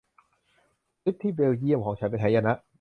ทริปที่เบลเยี่ยมของฉันเป็นหายนะ